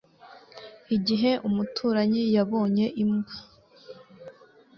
igihe umuturanyi yabonye imbwa